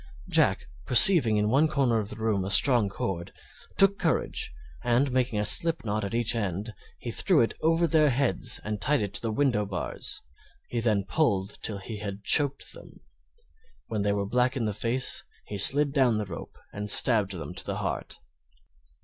Jack, perceiving in one corner of the room a strong cord, took courage, and making a slip knot at each end, he threw them over their heads, and tied it to the window bars; he then pulled till he had choked them. When they were black in the face he slid down the rope and stabbed them to the heart.